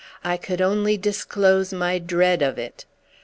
I could only disclose my dread of it.